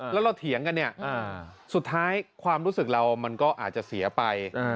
แล้วเราเถียงกันเนี่ยสุดท้ายความรู้สึกเรามันก็อาจจะเสียไป